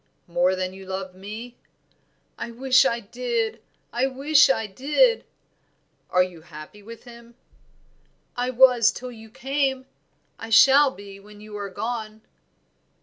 "More than you love me?" "I wish I did! I wish I did!" "Are you happy with him?" "I was till you came; I shall be when you are gone."